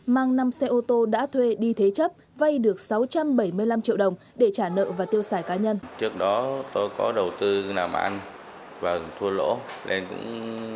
mang năm xe ô tô đã thuê đi thế chấp vay được sáu trăm bảy mươi năm triệu đồng